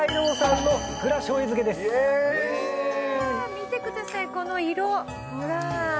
見てくださいこの色ほら。